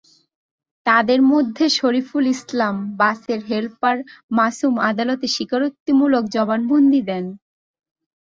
তাঁদের মধ্যে শফিকুল ইসলাম, বাসের হেলপার মাসুম আদালতে স্বীকারোক্তিমূলক জবানবন্দি দেন।